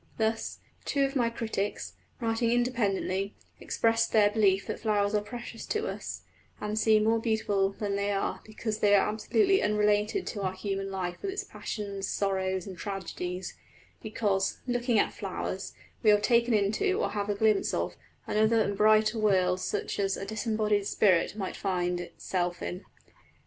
Thus, two of my critics, writing independently, expressed their belief that flowers are precious to us and seem more beautiful than they are, because they are absolutely unrelated to our human life with its passions, sorrows, and tragedies because, looking at flowers, we are taken into, or have glimpses of, another and brighter world such as a disembodied spirit might find itself in.